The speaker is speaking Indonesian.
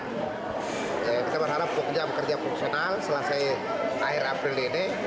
kita berharap bekerja fungsional selesai akhir april ini